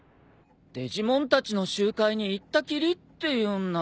デジモンたちの集会に行ったきりっていうんなら。